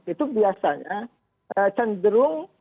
itu biasanya cenderung